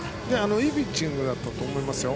いいピッチングだと思いますよ。